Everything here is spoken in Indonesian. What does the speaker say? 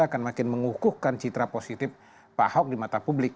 akan makin mengukuhkan citra positif pak ahok di mata publik